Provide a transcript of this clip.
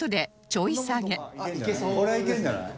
これいけるんじゃない？